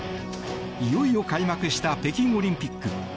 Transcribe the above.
いよいよ開幕した北京オリンピック。